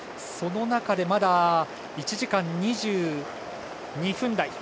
その中で、まだ１時間２２分台。